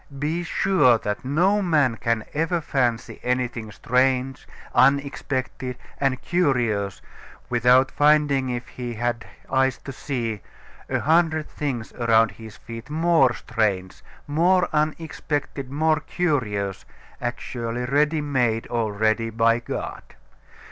Be sure that no man can ever fancy anything strange, unexpected, and curious, without finding if he had eyes to see, a hundred things around his feet more strange, more unexpected, more curious, actually ready made already by God.